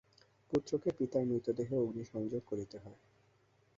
পুত্রকে পিতার মৃতদেহে অগ্নিসংযোগ করিতে হয়।